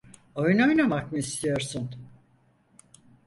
Oyun oynamak mı istiyorsun?